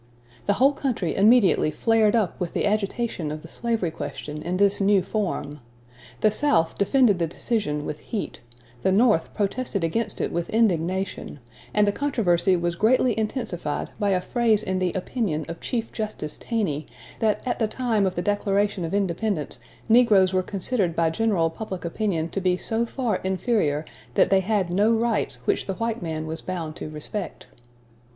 The whole country immediately flared up with the agitation of the slavery question in this new form. The South defended the decision with heat, the North protested against it with indignation, and the controversy was greatly intensified by a phrase in the opinion of Chief Justice Taney, that at the time of the Declaration of Independence negroes were considered by general public opinion to be so far inferior "that they had no rights which the white man was bound to respect."